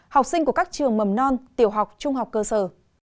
học sinh của các trường mầm non tiểu học trung học cơ sở